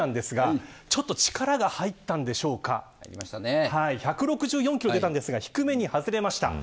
そして、５球目ですがちょっと力が入ったのでしょうか１６４キロ出ましたが低めに外れました。